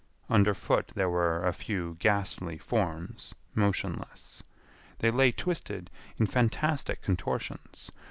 Under foot there were a few ghastly forms motionless. They lay twisted in fantastic contortions.